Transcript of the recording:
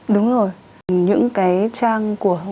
đúng rồi những cái trang của